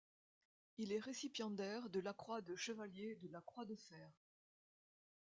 Il est récipiendaire de la Croix de chevalier de la Croix de Fer.